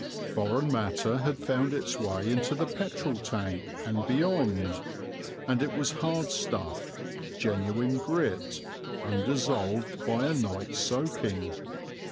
Foreign matter had found its way into the petrol tank and beyond; and it was hard stuff, genuine grit, undissolved by a night's soaking.